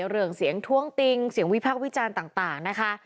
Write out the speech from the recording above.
เรื่องเสียงท้วงติงเสียงวิพากษ์วิจารณ์ต่างนะคะ